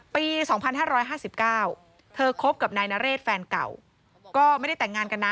ปี๒๕๕๙เธอคบกับนายนเรศแฟนเก่าก็ไม่ได้แต่งงานกันนะ